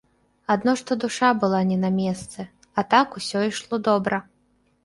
Адно што душа была не на месцы, а так усё ішло добра.